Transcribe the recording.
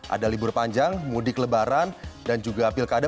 ada libur panjang mudik lebaran dan juga pilkada